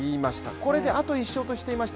これであと１勝としていました